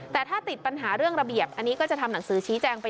แต่ถ้าติดปัญหาเรื่องระเบียบอันนี้ก็จะทำหนังสือชี้แจงไป